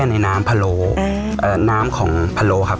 อันนี้หนูเคยทาน